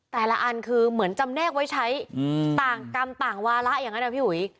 อันคือเหมือนจำแนกไว้ใช้ต่างกรรมต่างวาระอย่างนั้นนะพี่อุ๋ย